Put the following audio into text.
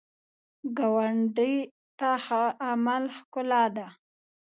ګاونډي ته ښه عمل ښکلا ده